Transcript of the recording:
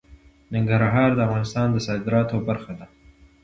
ننګرهار د افغانستان د صادراتو برخه ده.